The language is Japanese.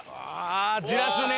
焦らすね。